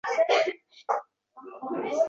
Qizim bir o'zi uxlashdan qo'rqadi.